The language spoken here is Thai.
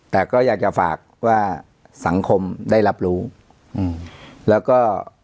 แต่ก็อยากจะฝากว่าสังคมได้รับรู้อืมแล้วก็